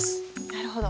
なるほど。